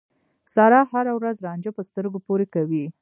سارا هر ورځ رانجه په سترګو پورې کوي.